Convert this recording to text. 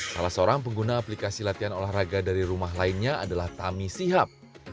salah seorang pengguna aplikasi latihan olahraga dari rumah lainnya adalah tami sihab